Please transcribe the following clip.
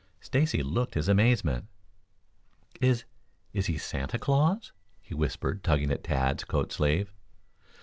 Stacy looked his amazement. "Is is he Santa Claus?" he whispered, tugging at Tad's coat sleeve.